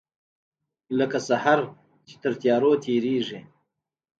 لکه سحر چې تر تیارو تیریږې